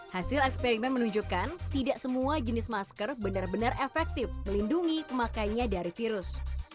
hasil eksperimen menunjukkan tidak semua jenis masker benar benar efektif melindungi pemakainya dari virus